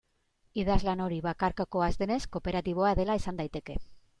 Idazlan hori, bakarkakoa ez denez, kooperatiboa dela esan daiteke.